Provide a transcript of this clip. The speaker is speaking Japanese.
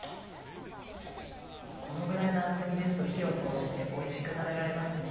このぐらいの厚みですと火を通しておいしく食べられますね。